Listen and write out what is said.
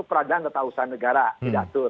keadaan atau usaha negara didatur